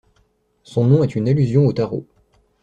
Son nom est une allusion aux tarots.